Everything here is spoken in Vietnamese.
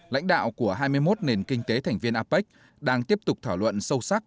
lãnh đạo của hai mươi một nền kinh tế thành viên apec đang tiếp tục thảo luận sâu sắc